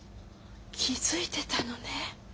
気付いてたのね。